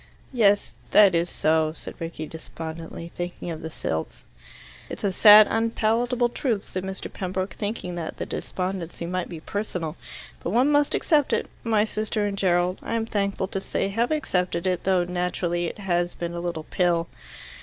"Yes. That is so," said Rickie despondently, thinking of the Silts. "It's a sad unpalatable truth," said Mr. Pembroke, thinking that the despondency might be personal, "but one must accept it. My sister and Gerald, I am thankful to say, have accepted it, though naturally it has been a little pill."